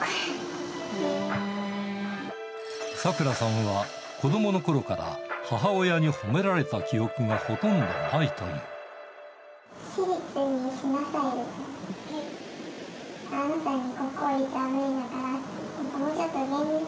サクラさんは子どものころから母親に褒められた記憶がほとんどないという。